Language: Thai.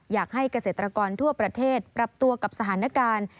อยากให้เกษตรกรทั่วประเทศปรับตัวกับสถานการณ์